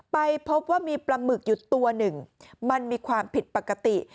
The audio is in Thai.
ไปพบว่ามีปลาหมึกอยู่ตัวหนึ่งมันมีความผิดปกติ